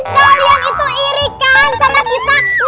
kalian itu irikan sama kita